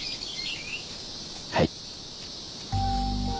はい。